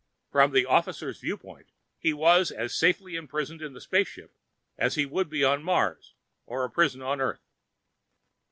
From the officer's viewpoint, he was as safely imprisoned in the spaceship as he would be on Mars or a prison on Earth.